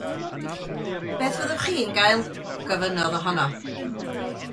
“Beth fyddwch chi'n ei gael?” gofynnodd ohono.